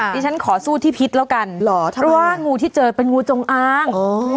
ดิฉันขอสู้ที่พิษแล้วกันเพราะว่างูที่เจอเป็นงูจงอาง